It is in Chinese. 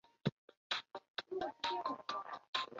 去柔然迎文帝悼皇后郁久闾氏。